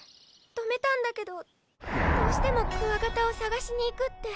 止めたんだけどどうしてもクワガタを探しに行くって。